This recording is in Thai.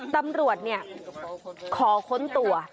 ตำรวจเนี่ยขอค้นตัว